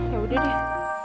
ya udah deh